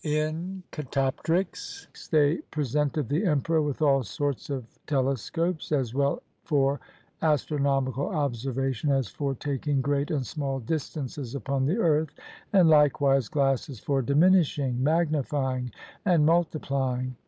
In catoptrics they presented the emperor with all sorts of telescopes, as well for astronomical observations as for taking great and small distances upon the earth ; and like wise glasses for diminishing, magnifying, and multiply ing.